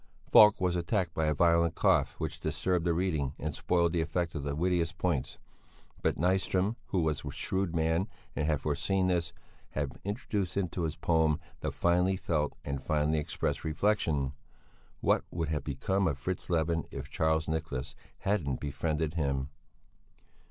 Falk was attacked by a violent cough which disturbed the reading and spoiled the effect of the wittiest points; but Nyström, who was a shrewd man and had foreseen this, had introduced into his poem the finely felt and finely expressed reflection: "What would have become of Fritz Levin if Charles Nicholas hadn't befriended him?"